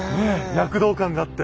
躍動感があって。